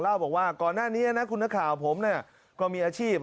เล่าบอกว่าก่อนหน้านี้นะคุณนักข่าวผมก็มีอาชีพ